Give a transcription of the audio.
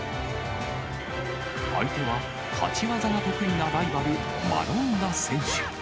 相手は立ち技が得意なライバル、マロンガ選手。